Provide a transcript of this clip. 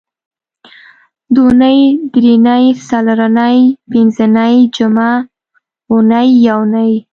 دونۍ درېنۍ څلرنۍ پینځنۍ جمعه اونۍ یونۍ